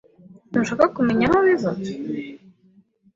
Ntushaka kumenya aho biva?